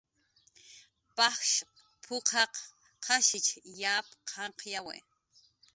"Pajsh p""uqaq qashich yap qanqyawi "